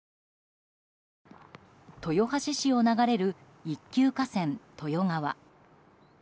豊橋市を流れる一級河川豊川。